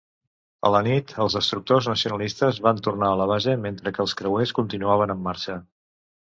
A la nit, els destructors nacionalistes van tornar a la base, mentre que els creuers continuaven en marxa.